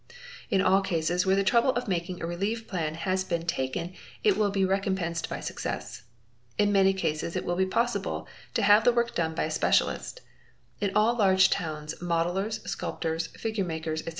In all cases where the trouble of making a relief plan has been taken it will be recompensed by success. In many cases it will be possible to have the work done by a specialist. In all large towns modellers, sculptors, figure makeyrs, etc.